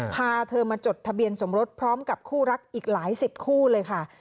พาเธอมาจดทะเบียนสมรสพร้อมกับคู่รักอีกหลายสิบคู่เลยค่ะ